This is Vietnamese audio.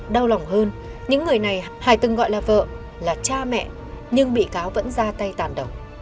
đau lòng hơn những người này hải từng gọi là vợ là cha mẹ nhưng bị cáo vẫn ra tay tàn đồng